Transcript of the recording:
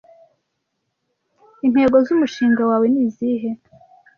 intego z’umushinga wawe nizihe